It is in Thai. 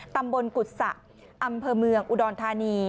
กุศะอำเภอเมืองอุดรธานี